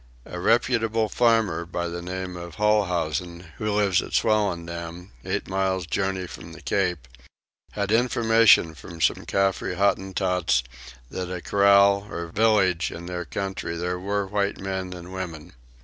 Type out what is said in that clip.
A reputable farmer of the name of Holhousen, who lives at Swellendam, eight days journey from the Cape, had information from some Caffre Hottentots that at a kraal or village in their country there were white men and women.